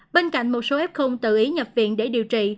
bên cạnh một số ép không tự ý nhập viện để điều trị